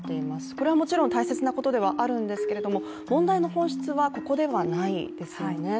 これはもちろん大切なことではあるんですが問題の本質はここではないですよね。